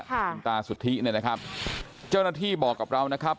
คุณตาสุทธิเนี่ยนะครับเจ้าหน้าที่บอกกับเรานะครับ